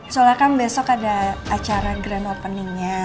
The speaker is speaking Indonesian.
soalnya kan besok ada acara grand openingnya